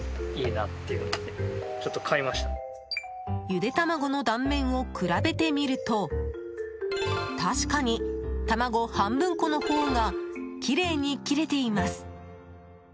ゆで卵の断面を比べてみると確かに玉子半ぶんこのほうがきれいに切れています。